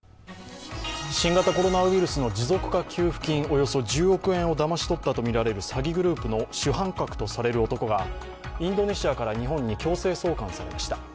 およそ１０億円をだまし取ったとみられる詐欺グループの主犯格とされる男がインドネシアから日本の強制送還されました。